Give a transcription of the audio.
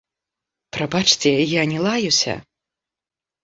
Прабачце, я не лаюся.